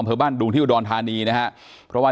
อ๋อเจ้าสีสุข่าวของสิ้นพอได้ด้วย